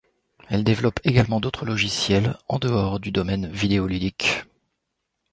Elle développe également d'autres logiciels en dehors du domaine vidéoludique.